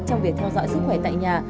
trong việc theo dõi sức khỏe tại nhà